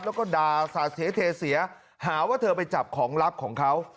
แล้วก็ด่าสาดเสียเทเสียหาว่าเธอไปจับของลับของเขา